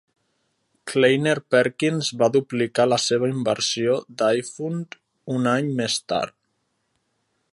Kleiner Perkins va duplicar la seva inversió d'iFund un any més tard.